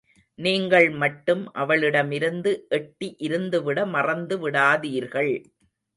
நீங்கள் மட்டும் அவளிடமிருந்து எட்டி இருந்துவிட மறந்துவிடாதீர்கள்.